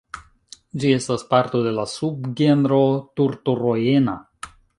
Ĝi estas parto de la subgenro "Turturoena".